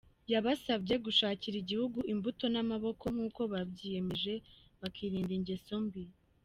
Yabasabye gushakira igihugu imbuto n’amaboko nkuko babyiyemeje, bakirinda ingeso mbi.